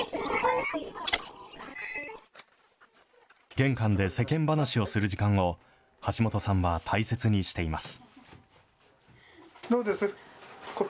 玄関で世間話をする時間を橋本さんは大切にしています。